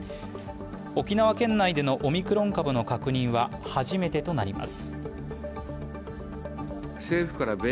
沖縄県内でのオミクロン株の確認は初めてとなります。